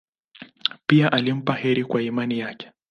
Pia alimpa heri kwa imani yake.